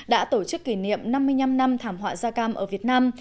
đã tổ chức kỷ niệm năm mươi năm năm thảm họa da cam ở việt nam